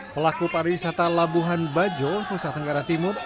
pelaku pariwisata labuhan bajo nusa tenggara timur